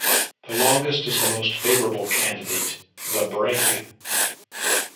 The longest is the most favorable candidate: the Breg.